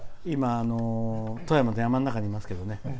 今、富山の山の中にいますけど。